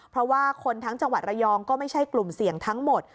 เพราะว่าคนทั้งจังหวัดระยองก็ไม่ใช่กลุ่มเสี่ยงทั้งหมด